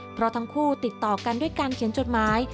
เพราะทั้งคู่ติดต่อกันด้วยการเขียนจดหมาย